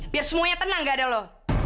biar semuanya tenang gak ada loh